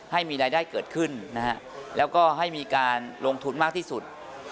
ให้มีรายได้เกิดขึ้นนะฮะแล้วก็ให้มีการลงทุนมากที่สุด